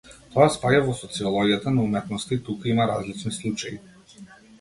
Тоа спаѓа во социологијата на уметноста и тука има различни случаи.